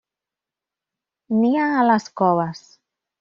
Nia a les coves.